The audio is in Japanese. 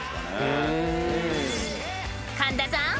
［神田さん。